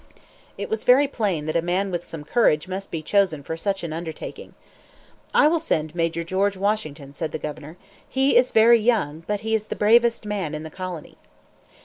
It was very plain that a man with some courage must be chosen for such an undertaking. "I will send Major George Washington," said the governor. "He is very young, but he is the bravest man in the colony."